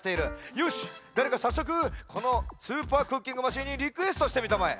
よしだれかさっそくこのスーパークッキングマシーンにリクエストしてみたまえ。